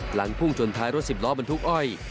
หลังพุ่งชนท้ายรถสิบล้อบรรทุกอ้อย